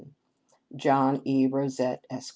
"John E. Rosette, Esq.